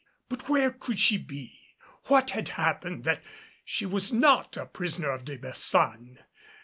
But where could she be? What had happened that she was not a prisoner of De Baçan?